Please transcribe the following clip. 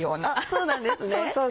そうなんですね。